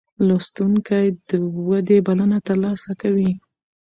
لوستونکی د ودې بلنه ترلاسه کوي.